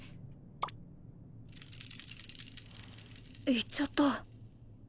行っちゃった。